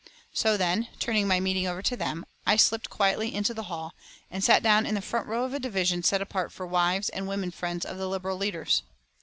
So then, turning my meeting over to them, I slipped quietly into the hall and sat down in the front row of a division set apart for wives and women friends of the Liberal leaders.